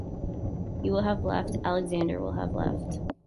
You will have left, Alexander will have left.